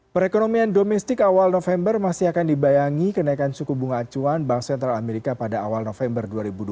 perekonomian domestik awal november masih akan dibayangi kenaikan suku bunga acuan bank sentral amerika pada awal november dua ribu dua puluh